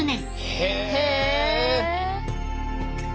へえ！